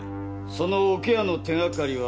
その桶屋の手がかりはあるのか？